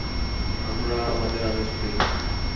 আমরা আমাদের আদেশ পেয়েছি।